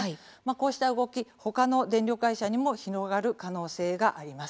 こうした動き、他の電力会社にも広がる可能性があります。